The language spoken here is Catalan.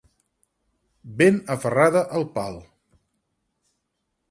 Ben aferrada al pal.